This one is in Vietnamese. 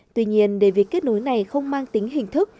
tuy nhiên để việc kết nối này không mang tính hình thức